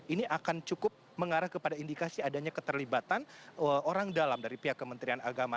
ini akan cukup mengarah kepada indikasi adanya keterlibatan orang dalam dari pihak kementerian agama